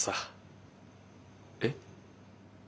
えっ？